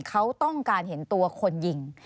เขาต้องการเห็นตัวคนยิง